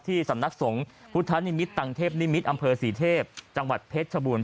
สำนักสงฆ์พุทธนิมิตตังเทพนิมิตรอำเภอศรีเทพจังหวัดเพชรชบูรณ